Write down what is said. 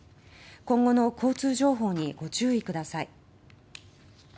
今後の交通情報にご注意ください。